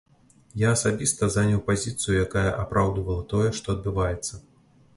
Я асабіста заняў пазіцыю, якая апраўдвала тое, што адбываецца.